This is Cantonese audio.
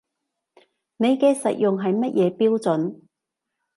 你嘅實用係乜嘢標準